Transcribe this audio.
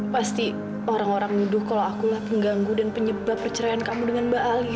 pasti orang orang nuduh kalau akulah pengganggu dan penyebab perceraian kamu dengan mbak ali